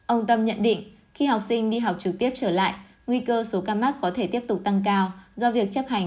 ông tâm nhận định khi học sinh đi học trực tiếp trở lại nguy cơ số ca mắc có thể tiếp tục tăng cao do việc chấp hành